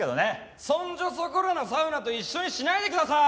そんじょそこらのサウナと一緒にしないでください！